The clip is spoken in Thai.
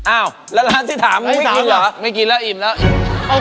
อ้าวแล้วร้านที่ถามไม่กินเหรอไม่กินแล้วอิ่มแล้ว